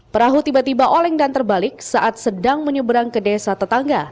perahu tiba tiba oleng dan terbalik saat sedang menyeberang ke desa tetangga